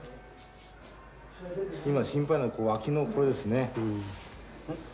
今心配なの脇のこれですね。